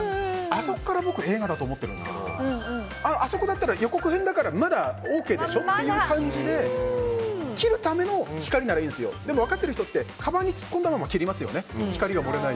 あそこから僕、映画だと思ってるんですけどあそこだったら予告編だからまだＯＫでしょ？って感じで切るための光ならいいんですが切る人は鞄を突っ込んでから切りますよね。